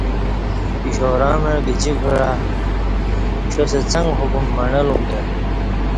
اِشارہ مع گجی کعہ شاستہ څݩگ حکم مݨہلُوم کہ۔